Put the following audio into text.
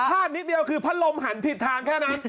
นิดเดียวคือพัดลมหันผิดทางแค่นั้น